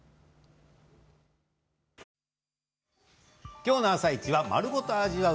きょうの「あさイチ」は丸ごと味わう